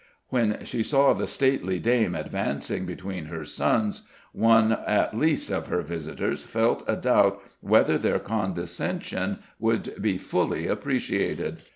When she saw the stately dame advancing between her sons, one at least of her visitors felt a doubt whether their condescension would be fully appreciated.